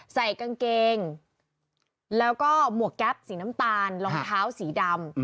ใส่กางเกงแล้วก็หมวกแก๊ปสีน้ำตาลรองเท้าสีดำ